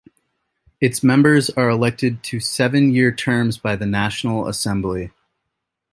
Its members are elected to seven-year terms by the National Assembly.